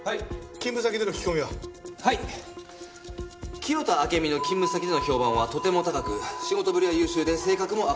清田暁美の勤務先での評判はとても高く仕事ぶりは優秀で性格も明るく活発。